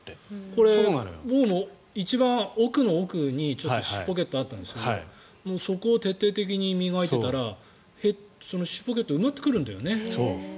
これ、僕も一番奥の奥に歯周ポケットがあったんですけどそこを徹底的に磨いていたら歯周ポケットが埋まってくるんだよね。